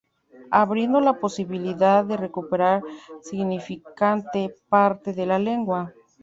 Abriendo la posibilidad de recuperar significante parte de la lengua.